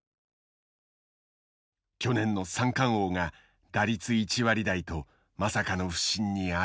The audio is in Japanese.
去年の三冠王が打率１割台とまさかの不振にあえいでいた。